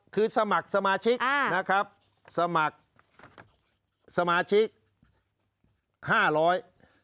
คือสมัครสมาชิกอ่านะครับสมัครสมาชิกห้าร้อย